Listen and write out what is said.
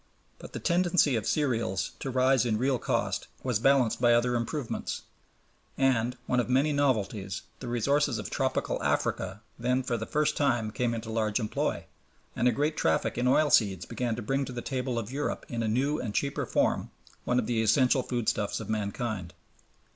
But the tendency of cereals to rise in real cost was balanced by other improvements; and one of many novelties the resources of tropical Africa then for the first time came into large employ, and a great traffic in oil seeds began to bring to the table of Europe in a new and cheaper form one of the essential foodstuffs of mankind.